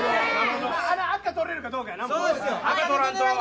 あの赤を取れるかどうかやな。